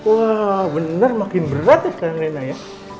wah bener makin berat ya sekarang rena ya